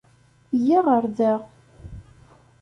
Yya ɣer da.